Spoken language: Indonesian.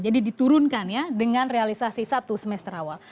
jadi diturunkan ya dengan realisasi satu semester awal